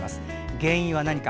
原因は何か。